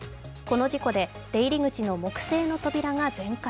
この事故で出入り口の木製の扉が全壊。